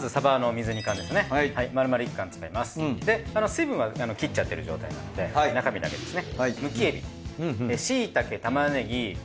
水分は切っちゃってる状態なので中身だけですね。